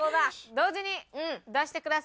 同時に出してください。